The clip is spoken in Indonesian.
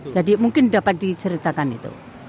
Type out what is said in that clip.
jadi mungkin dapat diceritakan itu